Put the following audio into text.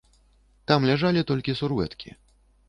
Там ляжалі толькі сурвэткі.